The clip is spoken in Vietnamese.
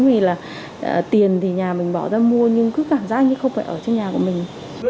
vì là tiền thì nhà mình bỏ ra mua nhưng cứ cảm giác như không phải ở trên nhà của mình